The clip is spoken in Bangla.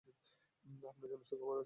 আপনার জন্য সুখবর আছে।